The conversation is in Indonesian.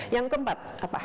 yang keempat apa